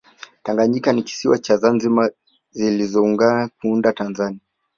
tanganyika na kisiwa cha zanzibar ziliungana kuunda tanzania